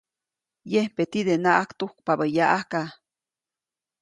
Yempe tidenaʼajk tujkpabä yaʼajka.